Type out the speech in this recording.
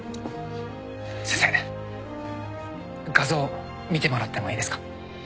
先生画像見てもらってもいいですか？